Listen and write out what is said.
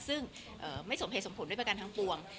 ซึ่งไม่สมเหตุสมผลด้วยประกันทั้งปวง